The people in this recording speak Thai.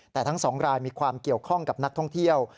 แต่ทั้งสองรายมีความเกี่ยวข้องกับนักท่องเที่ยว